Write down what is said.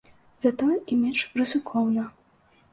Затое і менш рызыкоўна.